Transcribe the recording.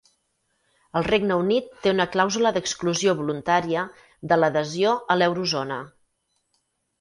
El Regne Unit té una clàusula d'exclusió voluntària de l'adhesió a l'eurozona.